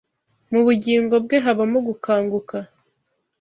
mu bugingo bwe habamo gukanguka